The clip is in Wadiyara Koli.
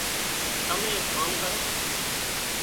تمين ايڪ ڪام ڪرو